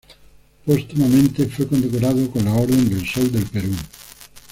Póstumamente fue condecorado con la Orden del Sol del Perú.